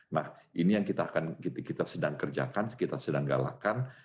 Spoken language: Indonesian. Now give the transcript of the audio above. nah ini yang kita sedang kerjakan kita sedang galakan